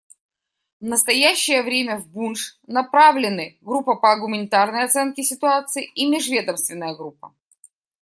В настоящее время в Бундж направлены группа по гуманитарной оценке ситуации и межведомственная группа.